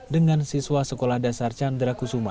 dengan siswa sekolah dasar candrakusuma